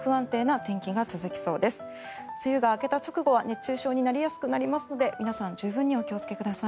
梅雨が明けた直後は熱中症になりやすくなりますので皆さん十分にお気をつけください。